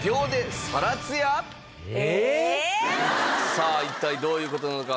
さあ一体どういう事なのか？